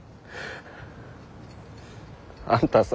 あんたさ